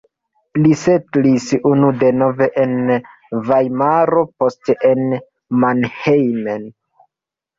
Li setlis unu denove en Vajmaro, poste en Mannheim.